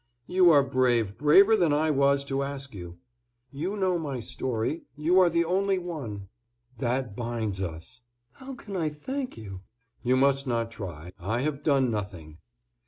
"You are brave, braver than I was to ask you." "You know my story. You are the only one." "That binds us." "How can I thank you?" "You must not try, I have done nothing."